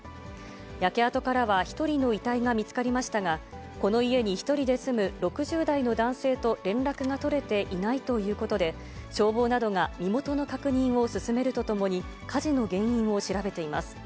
焼け跡からは１人の遺体が見つかりましたが、この家に１人で住む６０代の男性と連絡が取れていないということで、消防などが身元の確認を進めるとともに、火事の原因を調べています。